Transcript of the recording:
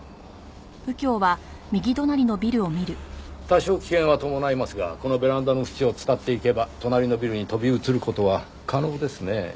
多少危険は伴いますがこのベランダの縁を伝っていけば隣のビルに飛び移る事は可能ですねぇ。